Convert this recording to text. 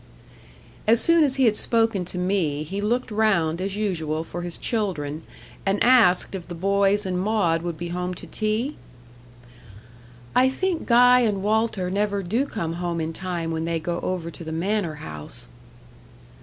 As soon as he had spoken to me, he looked round as usual for his children, and asked if the boys and Maud would be home to tea? "I think Guy and Walter never do come home in time when they go over to the manor house."